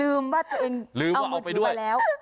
ลืมว่าเอามือถือไปแล้ว